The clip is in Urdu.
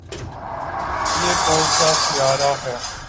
یہ کون سا سیارہ ہے